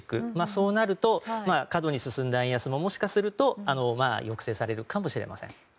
そうなると、過度に進んだ円安ももしかすると抑制されるかもしれません。